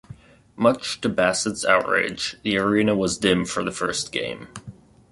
Much to Bassett's outrage, the arena was dim for the first game.